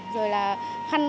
rồi là khăn ướt